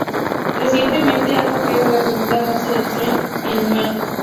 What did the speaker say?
Recientemente ha concluido la segunda fase de ensayos, en humanos.